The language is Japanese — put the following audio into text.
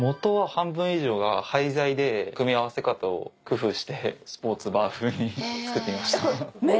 組み合わせ方を工夫してスポーツバー風に作ってみました。